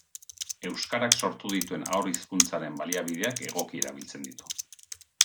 Euskarak sortu dituen haur hizkuntzaren baliabideak egoki erabiltzen ditu.